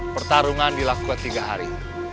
pertarungan dilakukan tiga hari